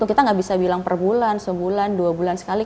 kita tidak bisa bilang perbulan sebulan dua bulan sekali